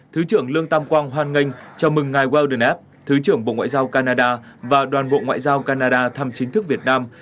thứ trưởng lương tam quang hoan nghênh chào mừng ngài wardernev thứ trưởng bộ ngoại giao canada và đoàn bộ ngoại giao canada thăm chính thức việt nam